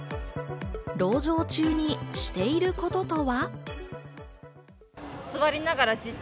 籠城中にしていることとは？